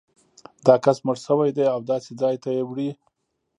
دا کس مړ شوی دی او داسې ځای ته یې وړي.